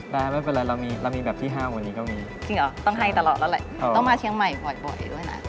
แต่จริงฟุ๊กเป็นคนมันแมนนะ